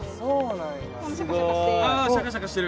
このシャカシャカして。